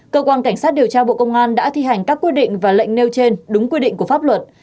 cơ quan cảnh sát điều tra bộ công an đã thi hành các quy định và lệnh nêu trên đúng quy định của pháp luật